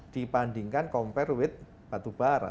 dibandingkan compare with batubara